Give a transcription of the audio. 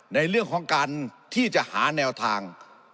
ในเรื่องของการที่จะหาแนวทาง